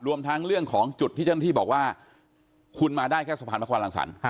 รวมทั้งเรื่องของจุดที่เจ้าหน้าที่บอกว่าคุณมาได้แค่สะพานพระควรังสรรค์